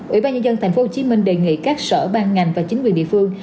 ủy ban nhân dân tp hcm đề nghị các sở ban ngành và chính quyền địa phương